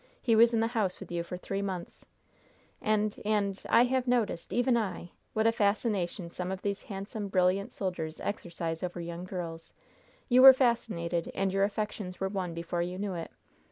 He was in the house with you for three months. And and I have noticed even I what a fascination some of these handsome, brilliant soldiers exercise over young girls! You were fascinated, and your affections were won before you knew it.